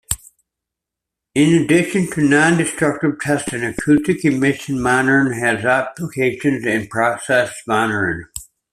In addition to non-destructive testing, acoustic emission monitoring has applications in process monitoring.